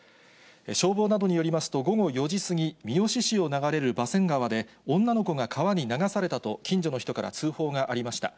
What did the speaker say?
消防などによりますと、午後４時過ぎ、三次市を流れる馬洗川で、女の子が川に流されたと、近所の人から通報がありました。